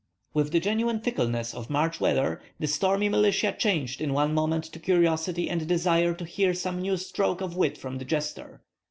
With the genuine fickleness of March weather, the stormy militia changed in one moment to curiosity and desire to hear some new stroke of wit from the jester.